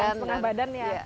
yang tengah badan ya